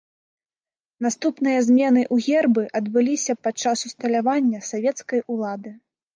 Наступныя змены ў гербы адбыліся пад час усталяванне савецкай улады.